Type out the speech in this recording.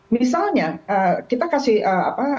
misalnya kita kasih apa